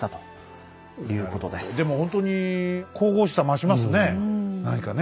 でもほんとに神々しさ増しますね。